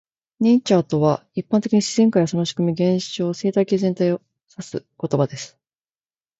"Nature" とは、一般的に自然界やその仕組み、現象、生態系全体を指す言葉です。